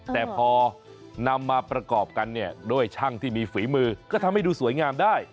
แต่พอนำมาประกอบกันเนี่ยด้วยช่างที่มีฝีมือก็ทำให้ดูสวยงามได้